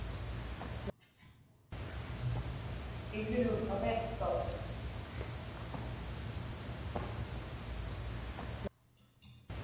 Iglu kaviqsuq.